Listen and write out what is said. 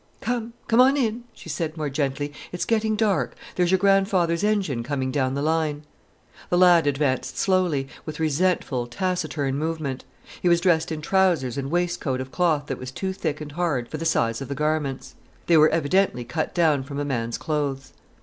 "Come, come on in," she said more gently, "it's getting dark. There's your grandfather's engine coming down the line!" The lad advanced slowly, with resentful, taciturn movement. He was dressed in trousers and waistcoat of cloth that was too thick and hard for the size of the garments. They were evidently cut down from a man's clothes.